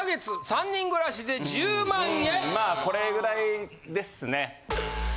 まあこれぐらいですね。